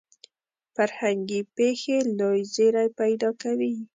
فرهنګي پېښې لوی زیری پیدا کوي.